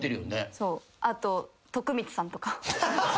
あと徳光さんとか。